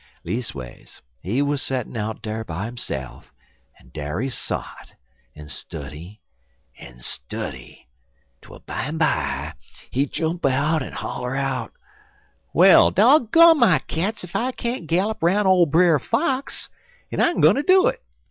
Leas'ways, he wuz settin' out dar by hisse'f, en dar he sot, en study en study, twel bimeby he jump up en holler out: "'Well, dog gone my cats ef I can't gallop 'roun' ole Brer Fox, en I'm gwineter do it.